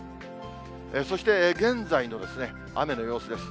そして、現在の雨の様子です。